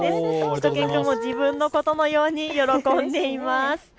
しゅと犬くんも自分のことのように喜んでいます。